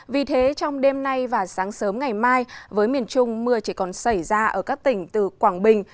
vì thế trong đêm nay và sáng sớm ngày mai với miền trung mưa chỉ còn xảy ra ở các tỉnh từ quảng bình